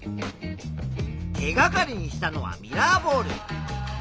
手がかりにしたのはミラーボール。